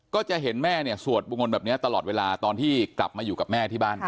ก็จะเห็นแม่เนี่ยสวดบุมลแบบนี้ตลอดเวลาตอนที่กลับมาอยู่กับแม่ที่บ้าน